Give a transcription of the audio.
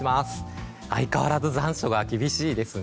相変わらず残暑が厳しいですね。